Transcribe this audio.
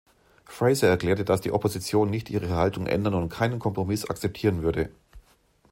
Fraser erklärte, dass die Opposition nicht ihre Haltung ändern und keinen Kompromiss akzeptieren würde.